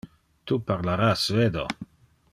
Tu parlara svedo.